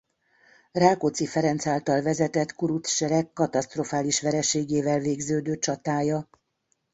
Rákóczi Ferenc által vezetett kuruc sereg katasztrofális vereségével végződő csatája.